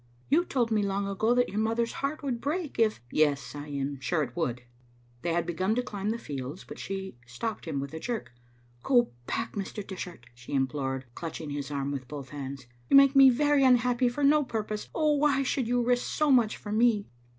"You told me long ago that your mother's heart would break if "" Yes, I am sure it would. " They had begun to climb the fields, but she stopped him with a jerk. "Go back, Mr. Dishart," she implored, clutching his arm with both hands. " You make me very unhappy for no purpose. Oh, why should you risk so much for me?"